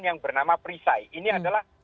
yang bernama perisai ini adalah